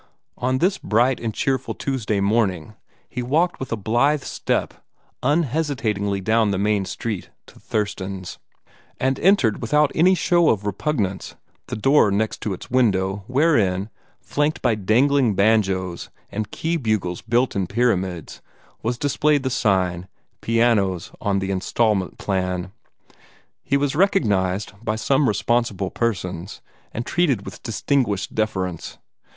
On this bright and cheerful Tuesday morning he walked with a blithe step unhesitatingly down the main street to "Thurston's," and entered without any show of repugnance the door next to the window wherein, flanked by dangling banjos and key bugles built in pyramids, was displayed the sign, "Pianos on the Instalment Plan." He was recognized by some responsible persons, and treated with distinguished deference.